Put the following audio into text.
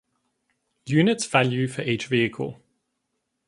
Units value for each vehicle.